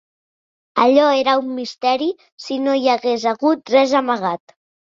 Allò era un misteri, si no hi hagués hagut res amagat